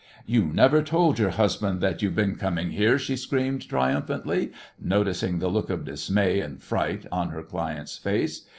"You never told your husband that you've been coming here," she screamed triumphantly, noticing the look of dismay and fright on her client's face.